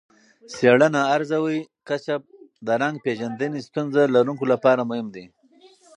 څېړنه ارزوي، کشف د رنګ پېژندنې ستونزه لرونکو لپاره مهم دی.